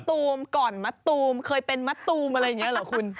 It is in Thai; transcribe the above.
ตูมก่อนมะตูมเคยเป็นมะตูมอะไรอย่างนี้เหรอคุณ